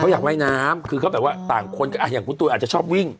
อยากว่ายน้ำคือเขาแบบว่าต่างคนก็อ่ะอย่างคุณตูนอาจจะชอบวิ่ง